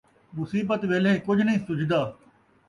مصیبت ویلھے کجھ نئیں سُجھدا